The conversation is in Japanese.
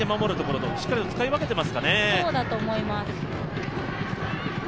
そうだと思います。